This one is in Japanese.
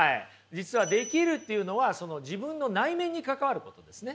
実はできるっていうのはその自分の内面に関わることですね。